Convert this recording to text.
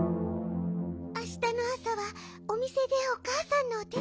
あしたのあさはおみせでおかあさんのおてつだいをするの。